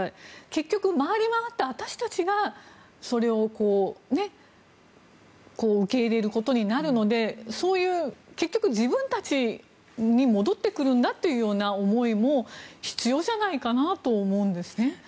結局回り回って、私たちがそれを受け入れることになるのでそういう結局自分たちに戻ってくるんだっていうような思いも必要じゃないかなと思うんですね。